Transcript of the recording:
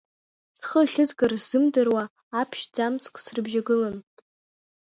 Схы ахьызгара сзымдыруа, аԥшьҭӡамцк срыбжьагылан.